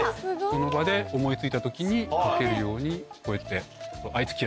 その場で思い付いた時に描けるようにこうやって。